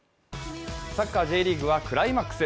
サッカー・Ｊリーグはクライマックス。